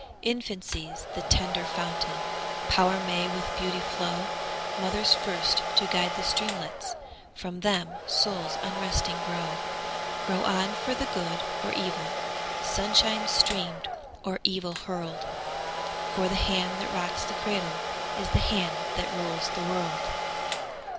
Infancy's the tender fountain, Power may with beauty flow, Mother's first to guide the streamlets, From them souls unresting grow Grow on for the good or evil, Sunshine streamed or evil hurled; For the hand that rocks the cradle Is the hand that rules the world.